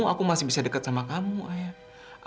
aku masih bisa dekat sama kamu ayah